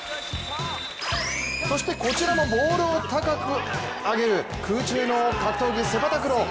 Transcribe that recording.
そしてこちらもボールを高く上げる空中の格闘技、セパタクロー。